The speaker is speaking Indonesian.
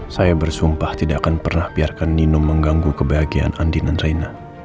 saya bersumpah tidak akan pernah biarkan nino mengganggu kebahagiaan andi nan raina